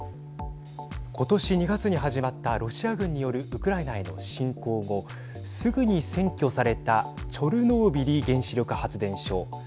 ことし２月に始まったロシア軍によるウクライナへの侵攻後すぐに占拠されたチョルノービリ原子力発電所。